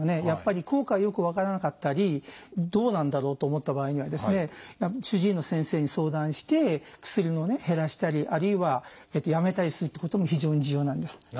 やっぱり効果がよく分からなかったりどうなんだろうと思った場合にはですね主治医の先生に相談して薬をね減らしたりあるいはやめたりするっていうことも非常に重要なんです。